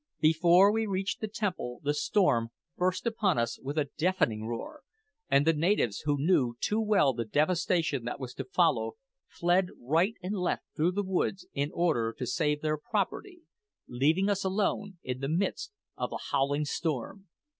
Before we reached the temple the storm burst upon us with a deafening roar; and the natives, who knew too well the devastation that was to follow, fled right and left through the woods in order to save their property, leaving us alone in the midst of the howling storm.